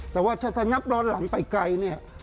แต่ว่าถ้างับย้อนหลังไปไกลเนี่ย